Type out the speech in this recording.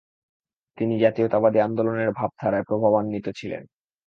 তিনি জাতীয়তাবাদী আন্দোলনের ভাবধারায় প্রভাবান্বিত ছিলেন।